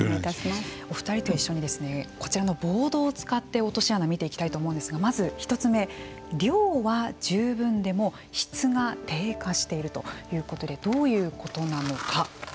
お二人と一緒にこちらのボードを使って落とし穴を見ていきたいんですがまず１つ目量は十分でも質が低下しているということでどういうことなのか。